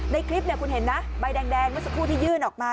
ในคลิปคุณเห็นนะใบแดงเมื่อสักครู่ที่ยื่นออกมา